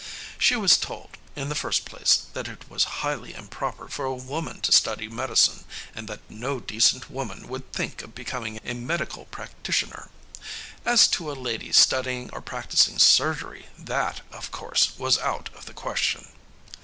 She was told, in the first place, that it was highly improper for a woman to study medicine and that no decent woman would think of becoming a medical practitioner. As to a lady studying or practicing surgery that, of course, was out of the question.